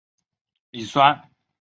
乙酸的一些性质如下所述。